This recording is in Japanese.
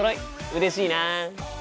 うれしいな。